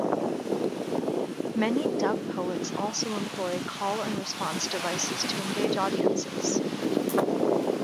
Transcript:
Many dub poets also employ call-and-response devices to engage audiences.